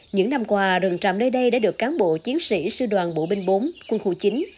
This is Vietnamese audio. những năm qua rừng trạm nơi đây đã được cán bộ chiến sĩ sư đoàn bộ binh bốn quân khu chín